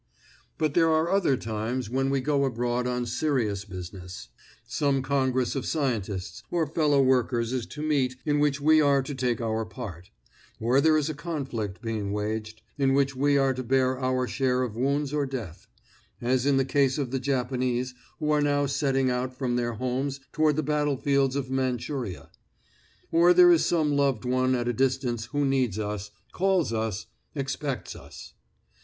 But there are other times when we go abroad on serious business. Some congress of scientists or fellow workers is to meet in which we are to take our part; or there is a conflict being waged in which we are to bear our share of wounds or death, as in the case of the Japanese, who are now setting out from their homes toward the battlefields of Manchuria; or there is some loved one at a distance who needs us, calls us, expects us.